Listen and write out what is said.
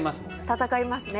戦いますね